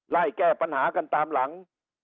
ไล่แก้ปัญหากันตามหลัง